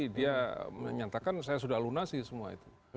dia menyatakan saya sudah lunasi semua itu